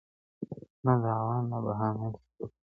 نه دعوه نه بهانه سي څوك منلاى